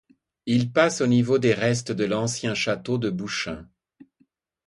Il passe au niveau des restes de l'ancien château de Bouchain.